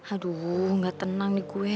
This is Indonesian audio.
aduh nggak tenang nih gue